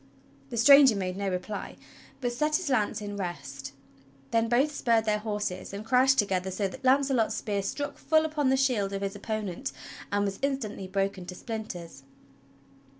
The stranger made no reply, but set his lance in rest. Then both spurred their horses and crashed together so that Launcelot's spear struck full upon the shield of his opponent and was instantly broken to splinters.